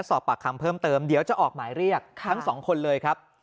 สอบปากคำเพิ่มเติมเดี๋ยวจะออกหมายเรียกทั้งสองคนเลยครับ